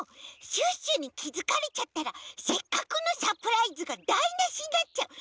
シュッシュにきづかれちゃったらせっかくのサプライズがだいなしになっちゃう！